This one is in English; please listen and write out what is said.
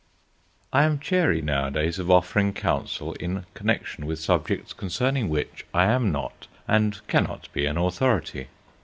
I AM chary nowadays of offering counsel in connection with subjects concerning which I am not and cannot be an authority.